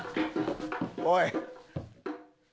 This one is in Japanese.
おい。